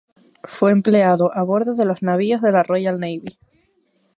Fue empleado a bordo de los navíos de la Royal Navy.